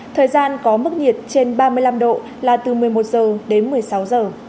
thời gian có mức nhiệt trên ba mươi năm độ là từ một mươi một giờ đến một mươi sáu giờ